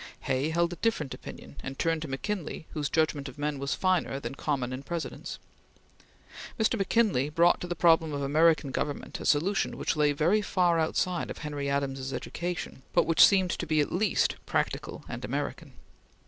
Hay held a different opinion and turned to McKinley whose judgment of men was finer than common in Presidents. Mr. McKinley brought to the problem of American government a solution which lay very far outside of Henry Adams's education, but which seemed to be at least practical and American.